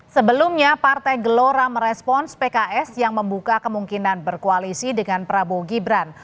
sebelumnya partai gelora merespons pks yang membuka kemungkinan berkoalisi dengan prabowo gibran